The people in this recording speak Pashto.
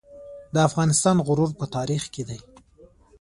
د افغانستان غرور په تاریخ کې دی